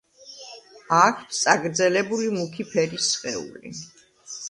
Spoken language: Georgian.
აქვთ წაგრძელებული მუქი ფერის სხეული.